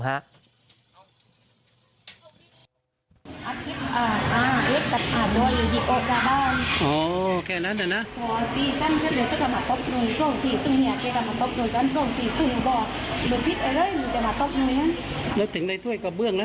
ปลาเข้าหน้าเต็มเลยฮะ